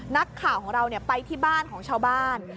นักข่าวของเราไปที่บ้านของชาวบ้าน